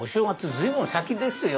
随分先ですよ。